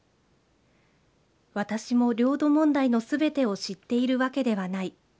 私も領土問題のすべてを知っているわけではない。